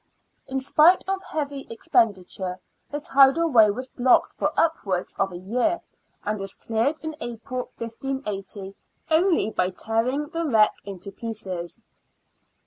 In spite of heavy expen diture, the tidal way was blocked for upwards of a year, and was cleared in April, 1580, only by tearing the wreck to pieces.